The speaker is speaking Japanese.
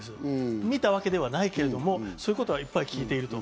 見たわけではないけれども、そういうことは聞いている。